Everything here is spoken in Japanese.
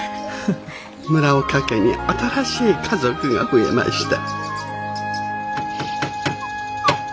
村岡家に新しい家族が増えました。